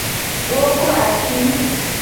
Wo klo asi.